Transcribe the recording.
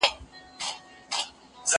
زه کتابونه نه ليکم،،